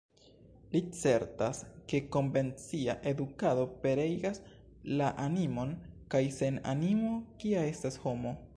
Li certas, ke konvencia edukado pereigas la animon, kaj sen animo, kia estas homo?